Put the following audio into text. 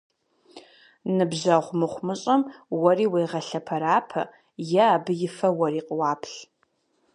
Ныбжьэгъу мыхъумыщӀэм уэри уегъэлъэпэрапэ, е абы и фэ уэри къуаплъ.